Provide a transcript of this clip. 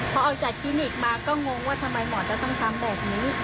พอออกจากคลินิกมาก็งงว่าทำไมหมอจะต้องทำแบบนี้